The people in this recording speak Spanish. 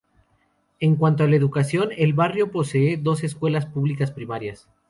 En cuanto a la educación el barrio, posee dos escuelas públicas primarias.